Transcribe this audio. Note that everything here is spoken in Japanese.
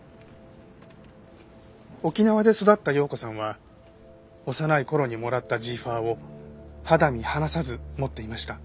沖縄で育った葉子さんは幼い頃にもらったジーファーを肌身離さず持っていました。